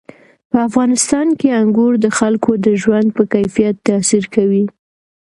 په افغانستان کې انګور د خلکو د ژوند په کیفیت تاثیر کوي.